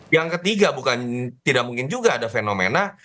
yang ketiga bukan tidak mungkin juga ada fenomena